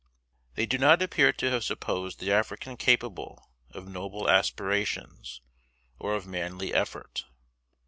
They do not appear to have supposed the African capable of noble aspirations, or of manly effort.